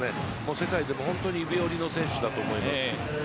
世界でも指折りの選手だと思いますし。